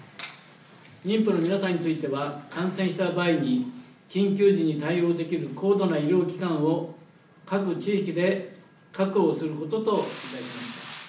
妊婦の皆さんについては感染した場合に緊急時に対応できる高度な医療機関を各地域で確保することといたしました。